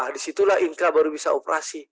disitulah inka baru bisa operasi